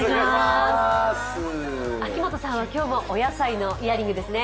秋元さんは今日もお野菜のイヤリングですね。